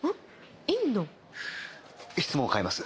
質問を変えます。